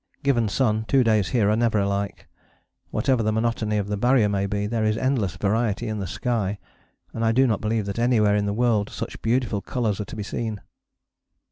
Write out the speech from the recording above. Given sun, two days here are never alike. Whatever the monotony of the Barrier may be, there is endless variety in the sky, and I do not believe that anywhere in the world such beautiful colours are to be seen.